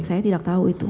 saya tidak tahu itu